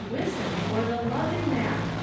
wisdom or the love in that ?